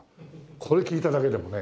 これ聞いただけでもね。